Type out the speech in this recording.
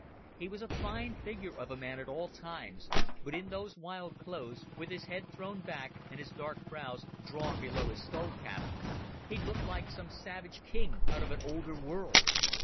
He was a fine figure of a man at all times, but in those wild clothes, with his head thrown back and his dark brows drawn below his skull cap, he looked like some savage king out of an older world.